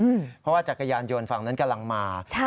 เพราะว่าจักรยานยนต์ฝั่งนั้นกำลังมา